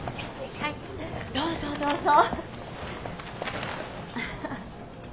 どうぞどうぞ。